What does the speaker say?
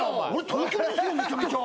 東京ですよめちゃめちゃ。